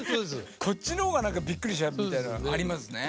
こっちの方がびっくりしちゃうみたいなのがありますね。